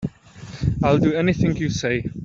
I'll do anything you say.